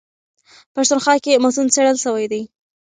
پښتونخوا کي متون څېړل سوي دي.